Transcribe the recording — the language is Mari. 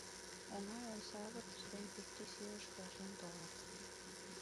Оҥай ойсавыртыш ден пӱртӱс илыш келшен толыт.